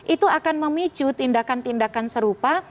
itu akan memicu tindakan tindakan serupa